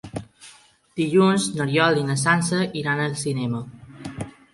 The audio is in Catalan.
Dilluns n'Oriol i na Sança iran al cinema.